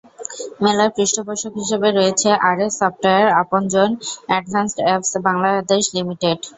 মেলার পৃষ্ঠপোষক হিসেবে রয়েছে RS software, Aponjon, advanced apps Bangladesh limited.